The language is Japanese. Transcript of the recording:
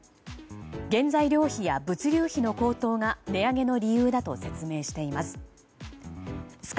原材料費や物流費の高騰が値上げの理由だと説明しています。